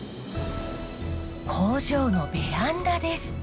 工場のベランダです。